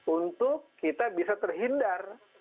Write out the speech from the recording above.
untuk kita bisa terhindar